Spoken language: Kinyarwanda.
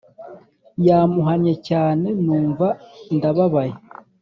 Yamuhannye cyane numva ndababaye